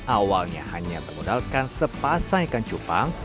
awalnya hanya bermodalkan sepasang ikan cupang